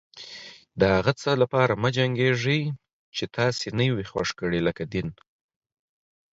د هغه څه لپاره مه جنګيږئ چې تاسې نه و خوښ کړي لکه دين.